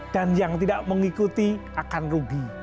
dan yang tidak mengikuti akan rugi